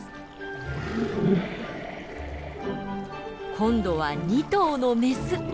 今度は２頭のメス。